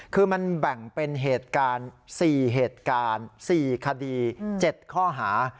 คือมันแบ่งเป็นเหตุการณ์๔เหตุการณ์๔คดี๗ข้อหา